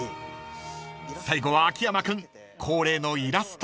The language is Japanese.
［最後は秋山君恒例のイラストお願いします］